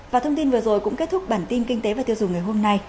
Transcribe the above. và thông tin vừa rồi cũng kết thúc bản tin kinh tế và tiêu dùng ngày hôm nay